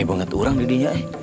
air banget orang didinya eh